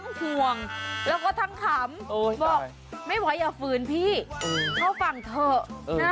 ห่วงแล้วก็ทั้งขำบอกไม่ไหวอย่าฝืนพี่เข้าฝั่งเถอะ